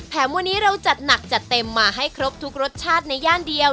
วันนี้เราจัดหนักจัดเต็มมาให้ครบทุกรสชาติในย่านเดียว